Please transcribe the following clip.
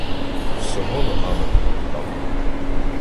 Всього ногами потоптав.